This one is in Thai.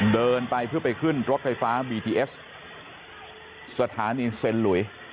เดินไปเพื่อไปขึ้นรถไฟฟ้าบีทีเอสสถานีเซ็นหลุย